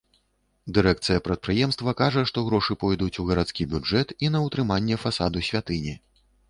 Дырэкцыя прадпрыемства кажа, што грошы пойдуць у гарадскі бюджэт і на ўтрыманне фасаду святыні.